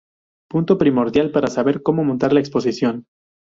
Punto primordial para saber cómo montar la exposición.